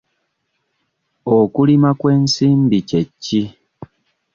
Okulima kw'ensimbi kye ki?